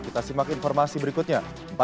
kita simak informasi berikutnya